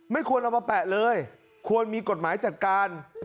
ไม่ควรเอามาแปะเลยควรมีกฎหมายจัดการ